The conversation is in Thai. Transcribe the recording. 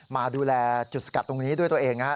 มาดูแลจุดสกัดตรงนี้ด้วยตัวเองนะฮะ